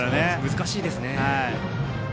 難しいですね。